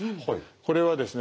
これはですね